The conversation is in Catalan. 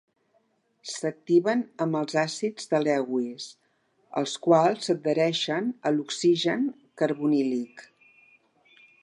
S'activen amb els àcids de Lewis, els quals s'adhereixen a l'oxigen carbonílic.